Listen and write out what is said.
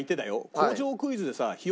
工場クイズでさひよ